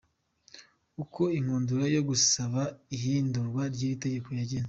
Uko inkundura yo gusaba ihindurwa ry’iri tegeko yagenze.